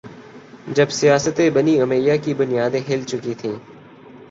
جب سیاست بنی امیہ کی بنیادیں ہل چکی تھیں